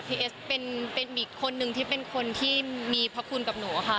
เอสเป็นอีกคนนึงที่เป็นคนที่มีพระคุณกับหนูค่ะ